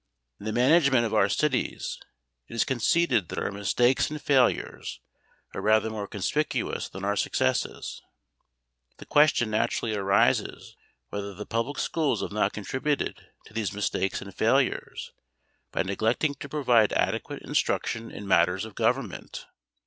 In the management of our cities it is conceded that our mistakes and failures are rather more conspicuous than our successes. The question naturally arises whether the public schools have not contributed to these mistakes and failures by neglecting to provide adequate instruction in matters of Government.